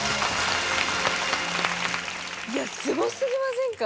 すごすぎませんか？